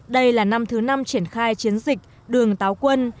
đây là năm thứ năm triển khai chiến dịch đường táo quân